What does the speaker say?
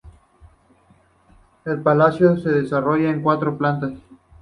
El palacio se desarrolla en cuatro plantas.